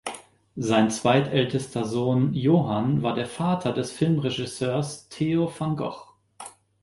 Sein zweitältester Sohn Johan war der Vater des Filmregisseurs Theo van Gogh.